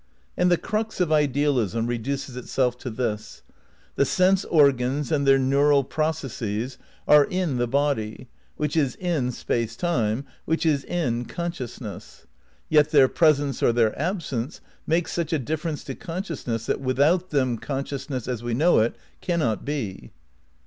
And the crux of idesilism. reduces itself to this : The sense organs and their neural processes are "in" the body which is " in " space time which is " in " conseious ness, yet their presence or their absence makes such a difference to consciousness that without them con sciousness, as we know it, cannot be.